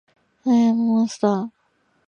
アイアムアモンスター